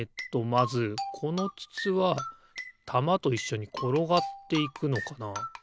まずこのつつはたまといっしょにころがっていくのかな。